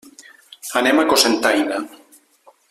Anem a Cocentaina.